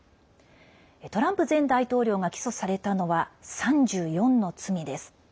トランプ前大統領が起訴されたのは３４の罪です。